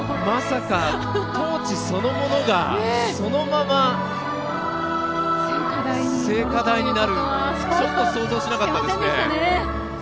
まさかトーチそのものがそのまま聖火台になるとはちょっと想像しなかったですね。